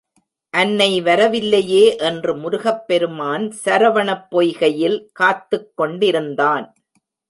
அன்னை வரவில்லையே என்று முருகப் பெருமான் சரவணப் பொய்கையில் காத்துக் கொண்டிருந்தான்.